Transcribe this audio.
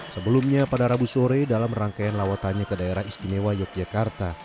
sebelumnya pada rabu sore dalam rangkaian lawatannya ke daerah istimewa yogyakarta